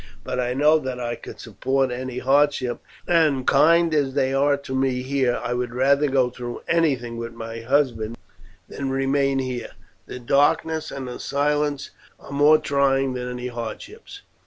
But I know that I could support any hardships; and kind as they are to me here, I would rather go through anything with my husband than remain here; the darkness and the silence are more trying than any hardships.